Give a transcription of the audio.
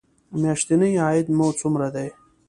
میاشتنی عاید مو څومره دی؟